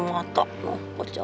mungkin harus bawa ke kocok